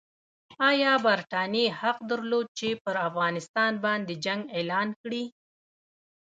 ایا برټانیې حق درلود چې پر افغانستان باندې جنګ اعلان کړي؟